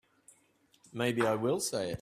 Maybe I will say it.